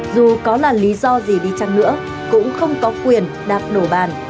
dù có là lý do gì đi chăng nữa cũng không có quyền đạp đổ bàn